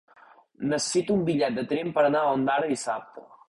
Necessito un bitllet de tren per anar a Ondara dissabte.